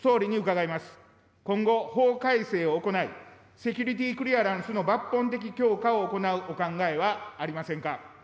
今後、法改正を行い、セキュリティ・クリアランスの抜本的強化を行うお考えはありませんか。